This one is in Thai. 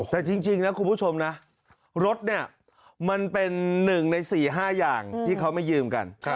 แต่จริงนะคุณผู้ชมนะรถเนี่ยมันเป็น๑ใน๔๕อย่างที่เขาไม่ยืมกัน